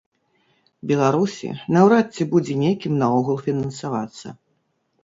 Беларусі, наўрад ці будзе некім наогул фінансавацца.